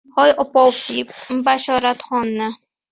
— Hoy, opovsi, Bashoratxonni...